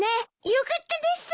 よかったです！